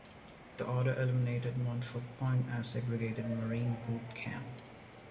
The order eliminated Montford Point as a segregated marine boot camp.